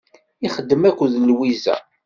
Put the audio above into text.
Ixeddem akked Lwiza.